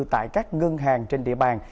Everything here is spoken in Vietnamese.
tại các ngân hàng trên địa bàn